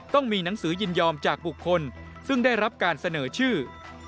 ต้องมีหนังสือยินยอมจากบุคคลซึ่งได้รับการเสนอชื่อ